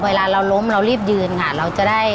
เวลาเราล้มเรารีบยืนค่ะเราจะได้